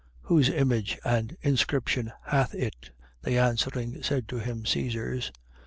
Whose image and inscription hath it? They answering, said to him: Caesar's.